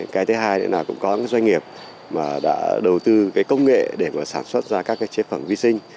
cái thứ hai là cũng có các doanh nghiệp đã đầu tư công nghệ để sản xuất ra các chế phẩm vi sinh